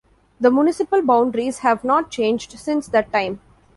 The municipal boundaries have not changed since that time.